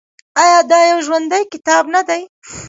آیا دا یو ژوندی کتاب نه دی؟